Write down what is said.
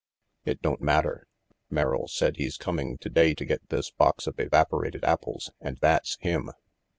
"It don't matter. Merrill said he's coming today to get this box of evaporated apples, and that's him."